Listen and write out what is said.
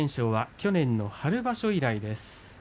去年の春場所以来です。